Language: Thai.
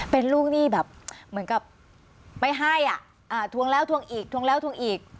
เป็นลูกหนี้แบบเหมือนกับไม่ให้อ่ะทวงแล้วทวงอีกทวงแล้วทวงอีก